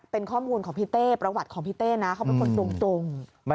เป็นข้อมูลของพี่เต้ประวัติของพี่เต้นะเขาเป็นคนตรง